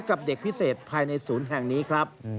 กับเด็กพิเศษภายในศูนย์แห่งนี้ครับ